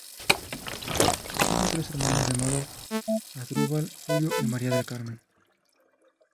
Tuvo tres hermanos llamados Asdrúbal, Julio y María del Carmen.